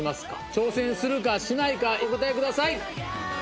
挑戦するかしないかお答えください。